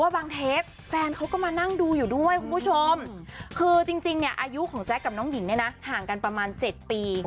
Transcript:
บางเทปแฟนเขาก็มานั่งดูอยู่ด้วยคุณผู้ชมคือจริงเนี่ยอายุของแจ๊คกับน้องหญิงเนี่ยนะห่างกันประมาณ๗ปี